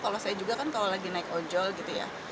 kalau saya juga kan kalau lagi naik ojol gitu ya